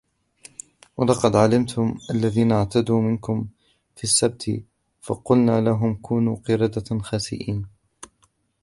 ولقد علمتم الذين اعتدوا منكم في السبت فقلنا لهم كونوا قردة خاسئين